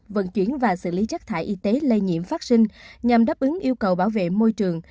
vận chuyển và xử lý chất thải y tế lây nhiễm phát sinh nhằm đáp ứng yêu cầu bảo vệ môi trường